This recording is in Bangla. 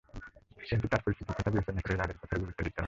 কিন্তু তাঁর পরিচিতির কথা বিবেচনা করে রাডের কথায় গুরুত্ব দিতে হবে।